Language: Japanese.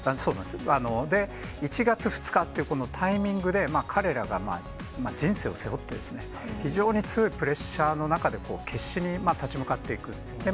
１月２日って、このタイミングで、彼らが人生を背負って、非常に強いプレッシャーの中で決死に立ち向かっていく。